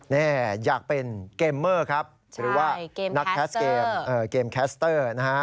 แน่อยากเป็นเกมเมอร์ครับหรือว่าเกมแคสเตอร์